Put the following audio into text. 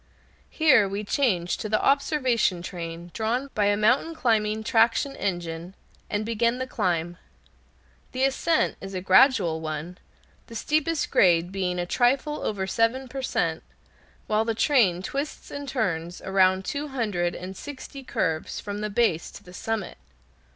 Here we change to the observation train drawn by a mountain climbing traction engine, and begin the climb. The ascent is a gradual one, the steepest grade being a trifle over seven per cent, while the train twists and turns around two hundred and sixty curves from the base to the summit.